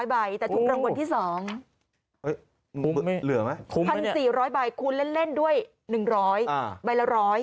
๑๔๐๐ใบแต่ถูกรางวัลที่สองคุณเล่นด้วย๑๐๐ใบละ๑๐๐